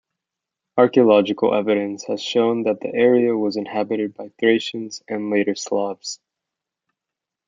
Archeological evidence has shown that the area was inhabited by Thracians and later Slavs.